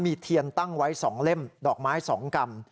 มีเทียนตั้งไว้๒เล่มดอกไม้๒กรัม